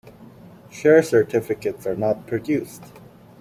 Share certificates are not produced.